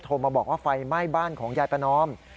มาบอกว่าไฟไหม้บ้านของยายประนอม